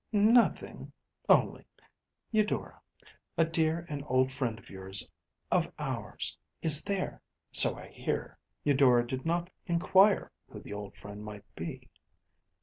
‚ÄĚ “Nothing, only, Eudora, a dear and old friend of yours, of ours, is there, so I hear.‚ÄĚ Eudora did not inquire who the old friend might be.